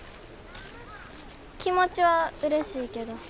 気持ちはうれしいけど。